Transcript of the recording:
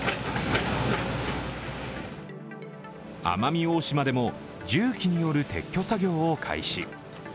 奄美大島でも重機による撤去作業を開始。